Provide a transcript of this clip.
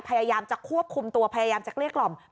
พยายามจะควบคุมตัวพยายามจะเกลี้ยกล่อม